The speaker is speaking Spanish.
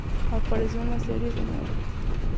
Apareció en las series "Mr.